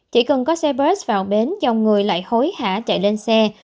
chỉ cần có xe bus vào bến dòng người lại hối hả chạy lên xe